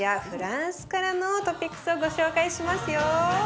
フランスからのトピックスをご紹介しますよ。